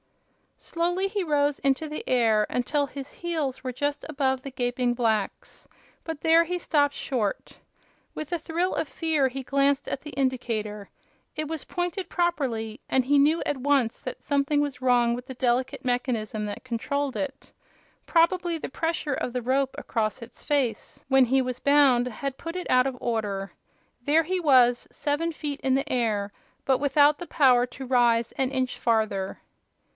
Slowly he rose into the air, until his heels were just above the gaping blacks; but there he stopped short. With a thrill of fear he glanced at the indicator. It was pointed properly, and he knew at once that something was wrong with the delicate mechanism that controlled it. Probably the pressure of the rope across its face, when he was bound, had put it out of order. There he was, seven feet in the air, but without the power to rise an inch farther.